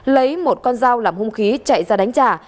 lấy một con dao làm hung khí chạy ra đánh trả